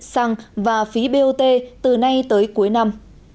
xăng và phí bot từ nay tới cuối năm